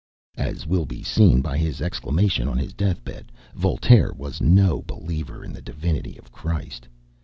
As will be seen by his exclamation on his death bed, Voltaire was no believer in the divinity of Christ.